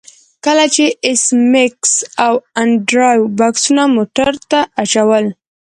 کله چې ایس میکس او انډریو بکسونه موټر ته اچول